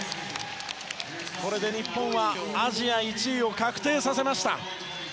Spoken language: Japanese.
これで日本はアジア１位を確定させました。